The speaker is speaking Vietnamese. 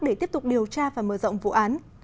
để tiếp tục điều tra và mở rộng vụ án